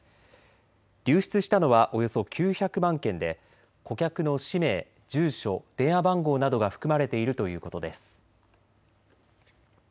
流出したのはおよそ９００万件で顧客の氏名、住所、電話番号などが含まれているということです。